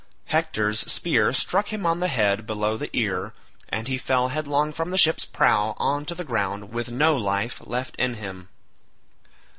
Hector's spear struck him on the head below the ear, and he fell headlong from the ship's prow on to the ground with no life left in him.